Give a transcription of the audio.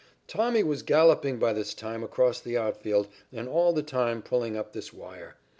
"Tommy was galloping by this time across the outfield and all the time pulling up this wire.